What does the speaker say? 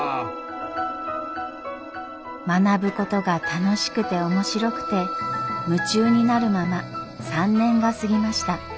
学ぶことが楽しくて面白くて夢中になるまま３年が過ぎました。